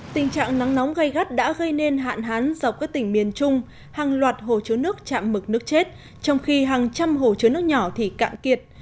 tình trạng nắng nóng gây gắt đã gây nên hạn hán dọc các tỉnh miền trung hàng loạt hồ chứa nước chạm mực nước chết trong khi hàng trăm hồ chứa nước nhỏ thì cạn kiệt